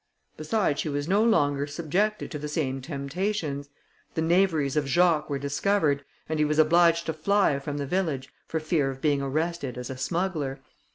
Besides, she was no longer subjected to the same temptations. The knaveries of Jacques were discovered, and he was obliged to fly from the village for fear of being arrested as a smuggler.